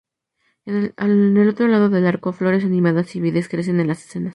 En el otro lado del arco, flores animadas y vides crecen en las escenas.